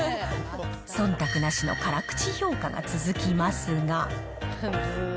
そんたくなしの辛口評価が続きますが。